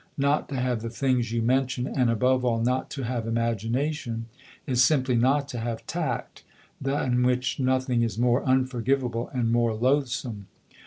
Not to have the things you mention, and above all not to have imagination, is simply not to have tact, than which nothing is more unforgivable and more loath some.